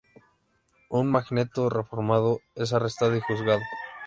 Un Magneto reformado es arrestado y juzgado.